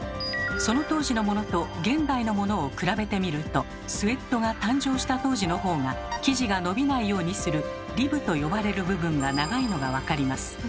その当時のものと現代のものを比べてみるとスウェットが誕生した当時のほうが生地が伸びないようにする「リブ」と呼ばれる部分が長いのが分かります。